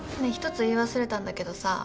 一つ言い忘れたんだけどさ